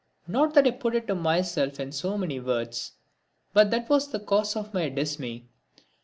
Not that I put it to myself in so many words, but that was the cause of my dismay.